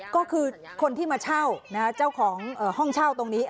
ก็คือคนที่มาเช่าเจ้าของห้องเช่าตรงนี้